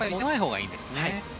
いいですね。